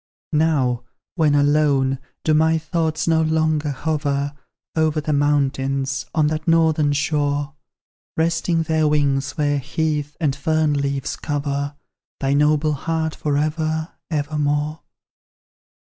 Now, when alone, do my thoughts no longer hover Over the mountains, on that northern shore, Resting their wings where heath and fern leaves cover Thy noble heart for ever, ever more?